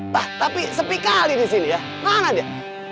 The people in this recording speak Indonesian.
lah tapi sepi kali disini ya mana dia